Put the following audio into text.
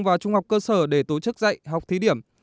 và trung học cơ sở để tổ chức dạy học thí điểm